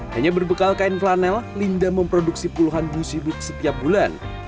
hanya berbekal kain flanel linda memproduksi puluhan busi buk setiap bulan